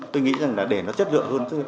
tôi nghĩ rằng là để nó chất lượng hơn